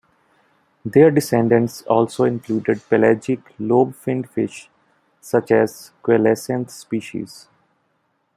Their descendants also included pelagic lobe-finned fish such as coelacanth species.